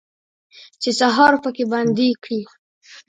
چې سهار پکې بندي کړي